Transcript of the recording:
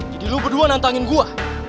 jadi lo berdua nantangin gua